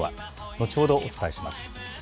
後ほどお伝えします。